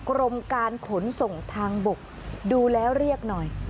กรมการขนส่งทางบกดูแล้วเรียกหน่อย